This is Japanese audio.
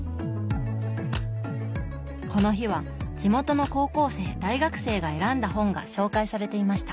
この日は地元の高校生・大学生が選んだ本が紹介されていました。